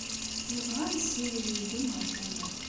Nebɣa ad nessiwel yid-m ɣef waya.